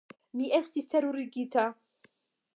Mi estis terurigita.